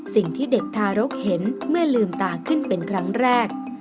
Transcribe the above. สิ่งที่เด็กทารกเห็นเมื่อลืมตาขึ้นเป็นครั้งแรก